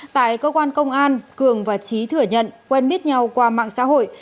tại cơ quan công an cường và trí thừa nhận quen biết nhau qua mạng xã hội